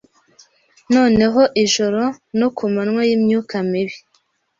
Noneho Ijoro no ku manywa yimyuka mibi